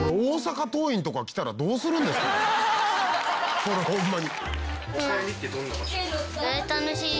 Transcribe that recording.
これホンマに。